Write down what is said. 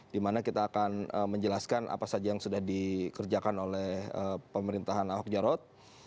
dimana kita akan menjelaskan apa saja yang sudah dikerjakan oleh pemerintahan ahok jarot